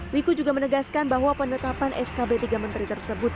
wiku juga menegaskan bahwa penetapan skb tiga menteri tersebut